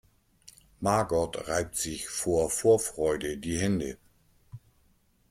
Margot reibt sich vor Vorfreude die Hände.